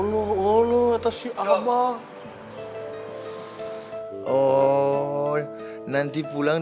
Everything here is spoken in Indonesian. alhamdulillah ya allah